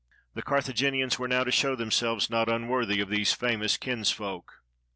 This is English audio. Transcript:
The Car thaginians were now to show themselves not unworthy of these famous kinsfolk.